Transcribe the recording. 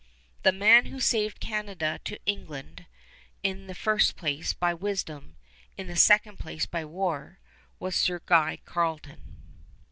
The man who saved Canada to England, in the first place by wisdom, in the second place by war, was Sir Guy Carleton.